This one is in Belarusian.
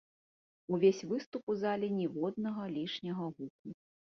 Увесь выступ у зале ніводнага лішняга гуку.